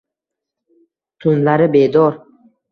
tunlari bedor